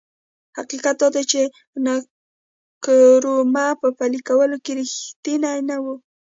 حقیقت دا دی چې نکرومه په پلي کولو کې رښتینی نه و.